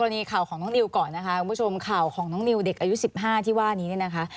น้องนิวก่อนนะคะคุณผู้ชมข่าวของน้องนิวเด็กอายุ๑๕ที่ว่านี้นะคะ